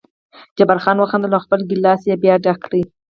جبار خان وخندل او خپل ګیلاس یې بیا ډک کړ.